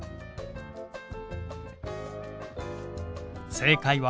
正解は。